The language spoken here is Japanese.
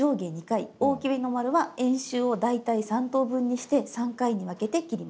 大きめの丸は円周を大体３等分にして３回に分けて切ります。